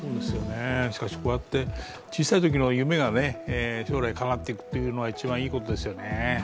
しかしこうやって小さいときの夢が将来かなっていくというのが一番いいことですよね。